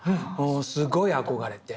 すごい憧れて。